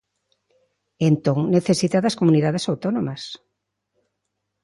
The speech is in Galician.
Entón, necesita das comunidades autónomas.